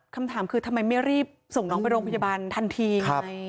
คำถามคือทำไมไม่รีบส่งน้องไปโรงพยาบาลทันทีไง